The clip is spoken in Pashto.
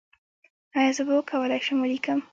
ایا زه به وکولی شم ولیکم؟